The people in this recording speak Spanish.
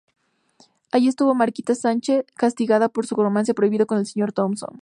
Allí estuvo Mariquita Sánchez, castigada por su romance prohibido con el señor Thompson.